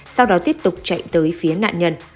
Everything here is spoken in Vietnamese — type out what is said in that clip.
sau đó tiếp tục chạy tới phía nạn nhân